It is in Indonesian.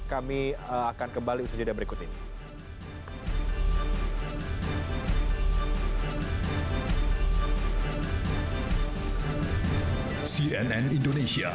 kami akan kembali bersudah berikut ini